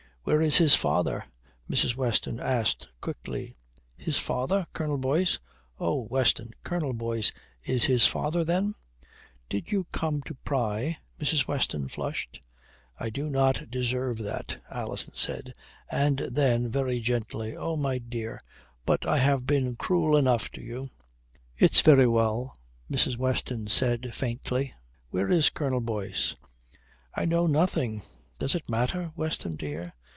"Where is his father?" Mrs. Weston asked quickly. "His father? Colonel Boyce? Oh, Weston! Colonel Boyce is his father, then?" "Did you come to pry?" Mrs. Weston flushed. "I do not deserve that," Alison said, and then very gently, "Oh, my dear, but I have been cruel enough to you." "It's very well," Mrs. Weston said faintly. "Where is Colonel Boyce?" "I know nothing. Does it matter, Weston, dear?